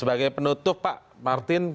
sebagai penutup pak martin